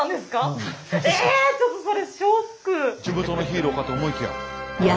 地元のヒーローかと思いきや。